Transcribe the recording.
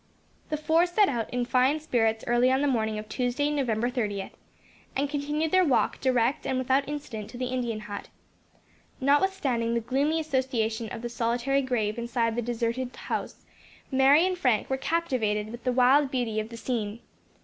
The four set out in fine spirits early on the morning of Tuesday, November 30th, and continued their walk direct and without incident to the Indian hut. Notwithstanding the gloomy association of the solitary grave inside the deserted house, Mary and Frank were captivated with the wild beauty of the scene.